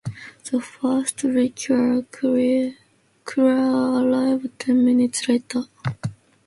The first rescue crew arrived ten minutes later.